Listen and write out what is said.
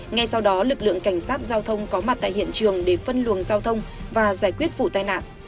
ngay sau đó lực lượng cảnh sát giao thông có mặt tại hiện trường để phân luồng giao thông và giải quyết vụ tai nạn